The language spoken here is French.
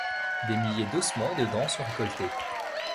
Des milliers d'ossements et de dents sont récoltés.